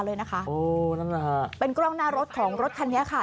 เลยนะคะโอ้นั่นแหละฮะเป็นกล้องหน้ารถของรถคันนี้ค่ะ